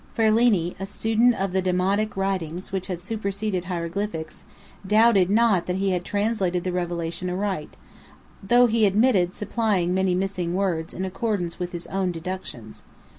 Ferlini, a student of the Demotic writings which had superseded hieroglyphics, doubted not that he had translated the revelation aright, though he admitted supplying many missing words in accordance with his own deductions.